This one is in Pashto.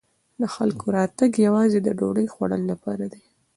د خلکو راتګ یوازې د ډوډۍ خوړلو لپاره دی.